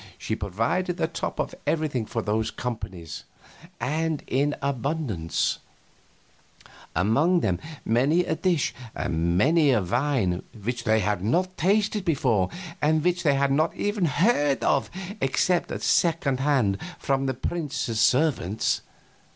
She provided the top of everything for those companies, and in abundance among them many a dish and many a wine which they had not tasted before and which they had not even heard of except at second hand from the prince's servants.